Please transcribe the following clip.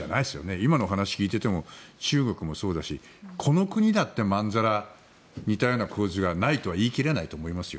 今のお話を聞いていても中国もそうだしこの国だってまんざら似たような構図がないとは言い切れないと思いますよ。